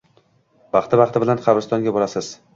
Vaqti-vaqti bilan qabristonga borasiz.